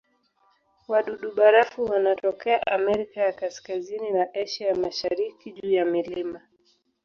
Wadudu-barafu wanatokea Amerika ya Kaskazini na Asia ya Mashariki juu ya milima.